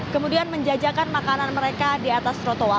kemudian menjajakan makanan mereka di atas trotoar